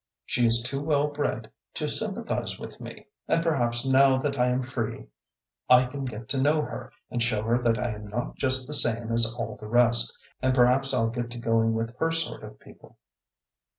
She is too well bred to sympathize with me, and perhaps, now that I am free, I can get to know her and show her that I am not just the same as all the rest, and perhaps I'll get to going with her sort of people."